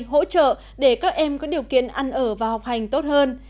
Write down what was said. hỗ trợ để các em có điều kiện ăn ở và học hành tốt hơn